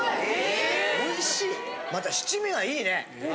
また七味がいいね。